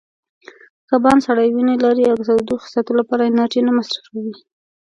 کبان سړې وینې لري او د تودوخې ساتلو لپاره انرژي نه مصرفوي.